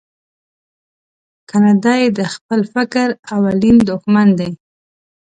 کنه دای د خپل فکر اولین دوښمن دی.